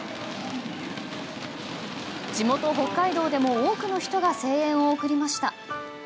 地元・北海道でも多くの人が声援を送りました。